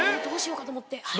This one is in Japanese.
どうしようかと思って。